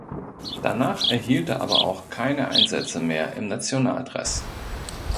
Danach erhielt er aber auch keine Einsätze mehr im Nationaldress.